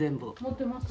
持ってます？